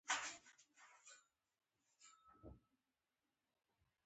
يا د ټول ملت د نواميسو په دفاع کې يو غوڅ ملي دريځ.